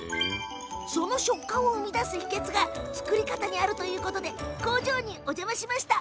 その食感を生み出す秘けつが作り方にあるということで工場にお邪魔しました。